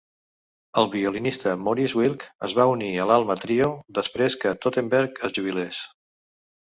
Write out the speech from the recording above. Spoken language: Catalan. El violinista Maurice Wilk es va unir a l'Alma Trio després que Totenberg es jubilés.